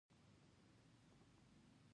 د شرنۍ د بازار چوک ډیر شایسته دي.